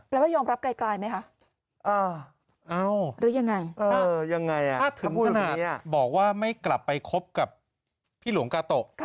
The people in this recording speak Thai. แล้วยอมรับไกลไหมคะหรือยังไงถึงขนาดนี้บอกว่าไม่กลับไปคบกับพี่หลวงกาโตะ